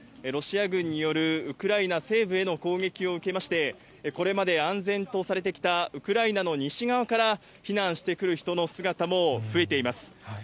ロシア軍によるウクライナ西部への攻撃を受けまして、これまで安全とされてきたウクライナの西側から避難してくる人の姿も増えています。